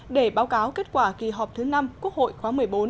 để báo cáo kết quả kỳ họp thứ năm quốc hội khóa một mươi bốn